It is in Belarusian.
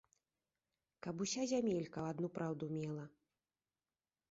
Каб уся зямелька адну праўду мела!